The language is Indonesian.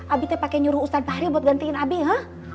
abi teh pake nyuruh ustadz pahri buat gantiin abi ya